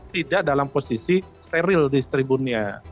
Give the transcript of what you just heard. tidak dalam posisi steril di tribunnya